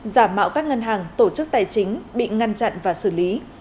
giả mạo các ngân hàng tổ chức tài chính bị ngăn chặn và xử lý